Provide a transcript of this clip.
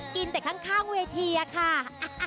กินแต่ข้างเวทีอะค่ะ